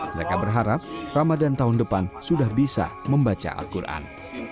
mereka berharap ramadan tahun depan sudah bisa membaca al quran